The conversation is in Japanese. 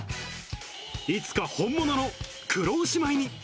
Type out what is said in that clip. いつか本物の黒丑舞に。